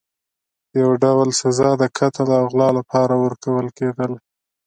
یو ډول سزا د قتل او غلا لپاره ورکول کېدله.